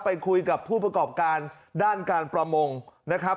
ไปคุยกับผู้ประกอบการด้านการประมงนะครับ